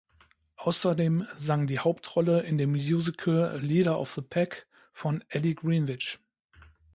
Außerdem sang die Hauptrolle in dem Musical "Leader of the Pack" von Ellie Greenwich.